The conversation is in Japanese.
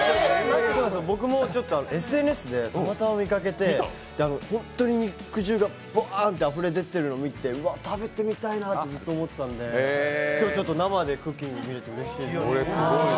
そうなんです、僕もＳＮＳでたまたま見かけて本当に肉汁がぶわーってあふれ出てるの見て、うわ、食べてみたいなとずっと思ってたので、今日は生でクッキング見れてうれしいです。